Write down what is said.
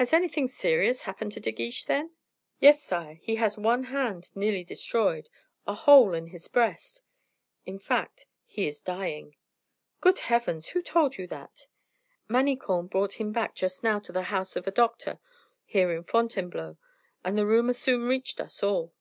"Has anything serious happened to De Guiche, then?" "Yes, sire, he has one hand nearly destroyed, a hole in his breast; in fact, he is dying." "Good heavens! who told you that?" "Manicamp brought him back just now to the house of a doctor here in Fontainebleau, and the rumor soon reached us all."